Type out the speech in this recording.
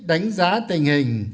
đánh giá tình hình